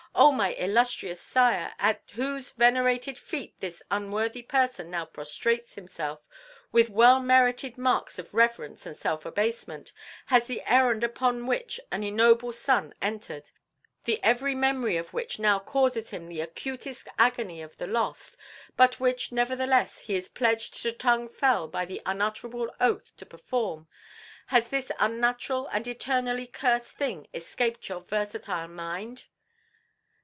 "Oh, my illustrious sire, at whose venerated feet this unworthy person now prostrates himself with well merited marks of reverence and self abasement, has the errand upon which an ignoble son entered the every memory of which now causes him the acutest agony of the lost, but which nevertheless he is pledged to Tung Fel by the Unutterable Oath to perform has this unnatural and eternally cursed thing escaped your versatile mind?"